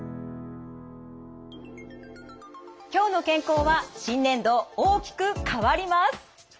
「きょうの健康」は新年度大きく変わります。